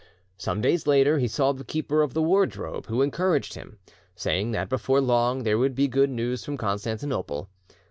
Some days later, he saw the keeper of the wardrobe, who encouraged him, saying that before long there would be good news from Constantinople.